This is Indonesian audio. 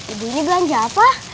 ibu ini belanja apa